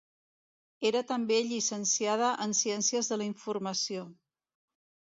Era també llicenciada en Ciències de la Informació.